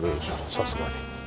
さすがに。